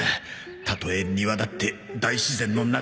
たとえ庭だって大自然の中だと思えば